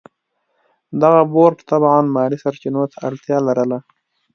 دغه بورډ طبعاً مالي سرچینو ته اړتیا لرله.